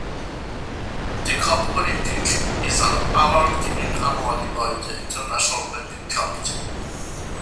The "Coupe Olympique" is an award given annually by the International Olympic Committee.